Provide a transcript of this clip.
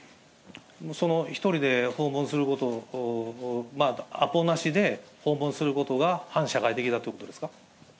その１人で訪問すること、アポなしで訪問することが、反社会的だということですか。